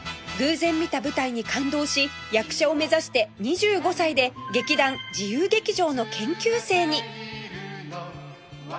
偶然見た舞台に感動し役者を目指して２５歳で劇団自由劇場の研究生に